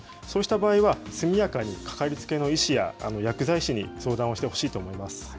相した場合は、速やかにかかりつけの医師や、薬剤師に相談をしてほしいと思います。